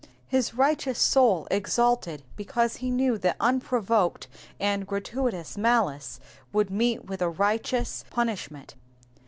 His righteous soul exulted because he kneW t^hat unprovoked and gratuitous malice would meet with a righteous punishment.